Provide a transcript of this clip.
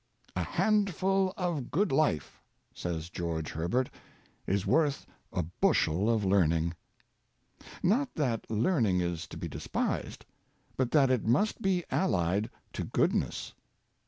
" A handful of good life," says George Herbert, "is worth a bushel of learning."' 62 Character Above Learning, Not that learning is to be despised, but that it must be allied to goodness.